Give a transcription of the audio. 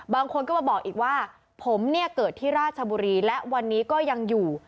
บางคนก็มาบอกอีกว่าผมเนี่ยเกิดที่ราชบุรีและวันนี้ก็ยังอยู่